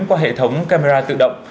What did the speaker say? qua hệ thống camera tự động